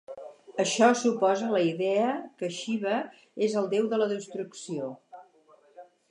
Això s'oposa a la idea que Xiva és el déu de la destrucció.